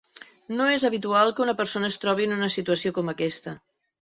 No és habitual que una persona es trobi en una situació com aquesta.